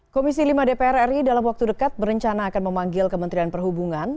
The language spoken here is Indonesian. komisi lima dpr ri dalam waktu dekat berencana akan memanggil kementerian perhubungan